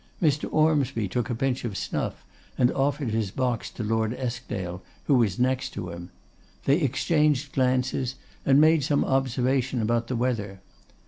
Mr. Ormsby took a pinch of snuff, and offered his box to Lord Eskdale, who was next to him. They exchanged glances, and made some observation about the weather.